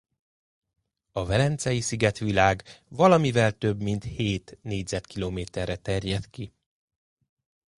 A velencei szigetvilág valamivel több mint hét négyzetkilométerre terjed ki.